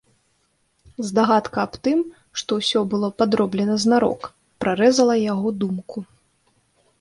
Здагадка аб тым, што ўсё было падроблена знарок, прарэзала яго думку.